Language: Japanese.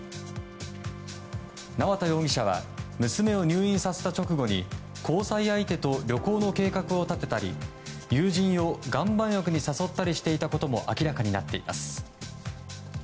縄田容疑者は娘を入院させた直後に交際相手と旅行の計画を立てたり友人を岩盤浴に誘ったりしていたことも明らかになっています。